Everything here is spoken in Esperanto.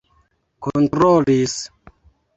kontrolis